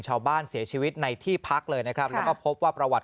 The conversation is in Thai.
ชาวบ้านเสียชีวิตในที่พักเลยนะครับแล้วก็พบว่าประวัติ